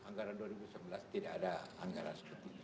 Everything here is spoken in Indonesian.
di anggaran dua ribu sebelas tidak ada anggaran